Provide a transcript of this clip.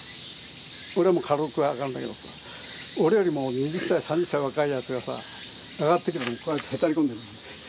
俺はもう軽く上がるんだけどさ俺よりも２０歳３０歳若いやつがさ上がってきてこうやってへたり込んでる。